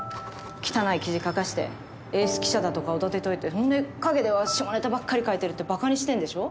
汚い記事書かせてエース記者だとかおだてておいてそれで陰では下ネタばっかり書いてるって馬鹿にしてるんでしょ？